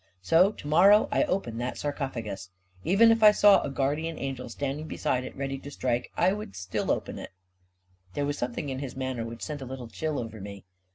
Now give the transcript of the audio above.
So to morrow I open that sarcophagus. Even if I saw a guardian angel standing beside it ready to strike, I would still open it l M There was something in his manner which sent a little chill over me.